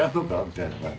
みたいな。